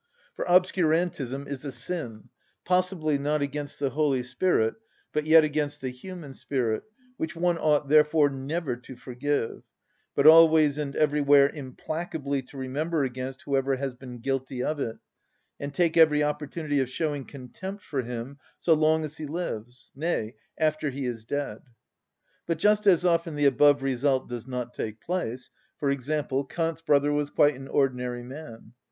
For obscurantism is a sin, possibly not against the Holy Spirit, but yet against the human spirit, which one ought therefore never to forgive, but always and everywhere implacably to remember against whoever has been guilty of it, and take every opportunity of showing contempt for him so long as he lives, nay, after he is dead. But just as often the above result does not take place; for example, Kant's brother was quite an ordinary man.